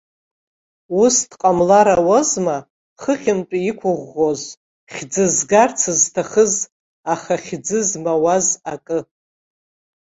Ус дҟамлар ауазма хыхьынтәи иқәыӷәӷәоз, хьӡы згарц зҭахыз, аха хьӡы змауаз акы.